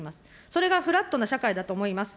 それがフラットな社会だと思います。